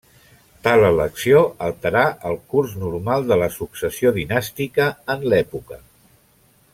Tal elecció alterar el curs normal de la successió dinàstica en l'època.